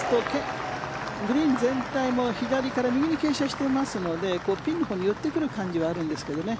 グリーン全体も左から右に傾斜していますのでピンのほうに寄ってくる感じはあるんですけどね。